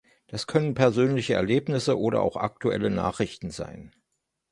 Das können persönliche Erlebnisse oder auch aktuelle Nachrichten sein.